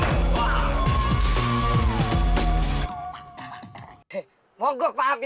astur astur kenapa mogok si